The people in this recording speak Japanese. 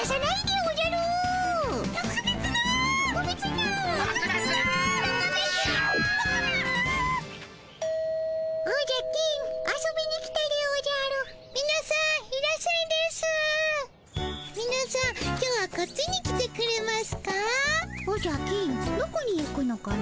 おじゃ金どこに行くのかの？